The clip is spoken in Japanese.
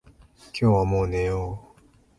今日はもう寝よう。